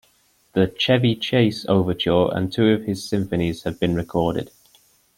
The "Chevy Chace" overture and two of his symphonies have been recorded.